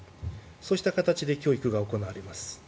そうした形で教育が行われます。